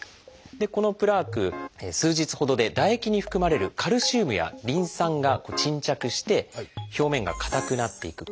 このプラーク数日ほどで唾液に含まれるカルシウムやリン酸が沈着して表面が硬くなっていく。